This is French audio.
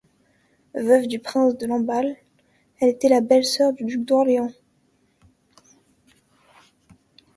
Veuve du prince de Lamballe, elle était la belle-sœur du duc d'Orléans.